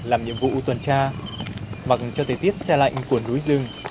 làm nhiệm vụ tuần tra mặc cho thời tiết xe lạnh của núi rừng